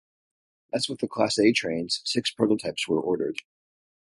As with the class A trains, six prototypes were ordered.